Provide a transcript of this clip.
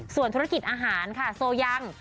ส่วนธุรกิจอาหารค่ะโซยัง